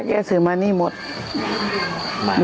โยชนิโสลงสามารถใช้สูงะ